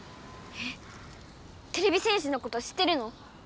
えってれび戦士のこと知ってるの？